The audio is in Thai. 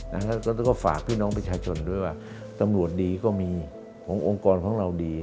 แล้วก็ฝากพี่น้องประชาชนด้วยว่าตำรวจดีก็มีขององค์กรของเราดี